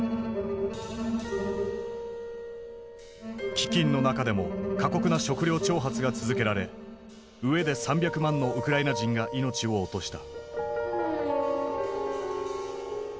飢饉の中でも過酷な食糧徴発が続けられ飢えで３００万のウクライナ人が命を落とした。